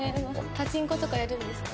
パチンコとかやるんですか？